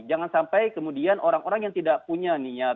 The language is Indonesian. jangan sampai kemudian orang orang yang tidak punya niat